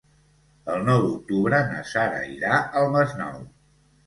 El nou d'octubre na Sara irà al Masnou.